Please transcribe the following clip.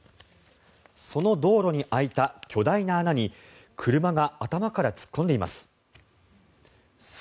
その道路に開いた巨大な穴に車が頭から突っ込んでいます。